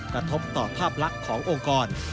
กระทบต่อภาพลักษณ์ขององค์กร